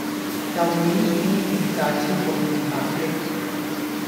舊年已經欠債超過二百億